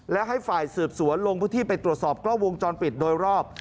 และให้ฝ่ายสืบสวนลงพื้นที่ไปตรวจสอบกล้องวงจรปิดโดยรอบ